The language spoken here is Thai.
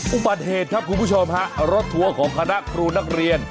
อุบัติเหตุครับคุณผู้ชมฮะรถทัวร์ของคณะครูนักเรียน